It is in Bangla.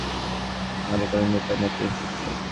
আর এ কারণেই এর পানি অত্যন্ত স্বচ্ছ।